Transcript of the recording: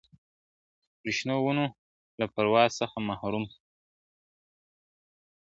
پر شنو ونو له پرواز څخه محروم سو !.